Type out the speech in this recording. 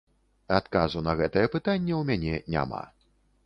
Адказу на гэтае пытанне ў мяне няма.